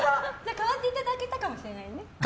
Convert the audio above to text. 代わっていただけたかもしれないね。